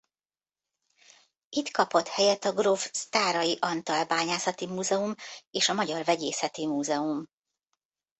Itt kapott helyet a Gróf Sztáray Antal Bányászati Múzeum és a Magyar Vegyészeti Múzeum.